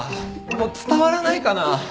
伝わらないかな